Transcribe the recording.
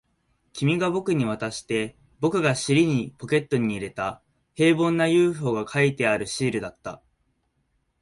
君が僕に渡して、僕が尻にポケットに入れた、平凡な ＵＦＯ が描いてあるシールだった